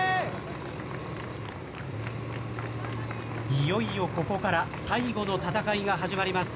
いよいよここから最後の戦いが始まります。